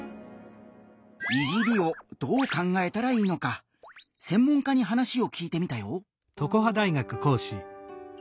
「いじり」をどう考えたらいいのか専門家に話を聞いてみたよ！